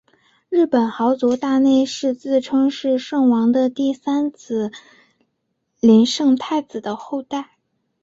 日本豪族大内氏自称是圣王的第三子琳圣太子的后代。